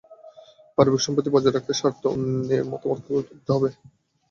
পারিবারিক সম্প্রীতি বজায় রাখার স্বার্থে অন্যের মতামতকে গুরুত্ব দিতে হতে পারে।